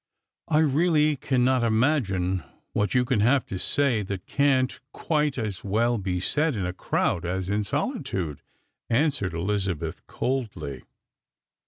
" I really cannot imagine what 3'ou can have to say that can't quite as well be said in a crowd as in solitude," answered Elizabeth coldly.